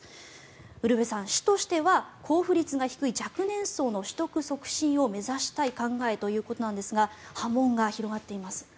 ウルヴェさん市としては交付率が低い若年層の取得促進を目指したい考えということですが波紋が広がっています。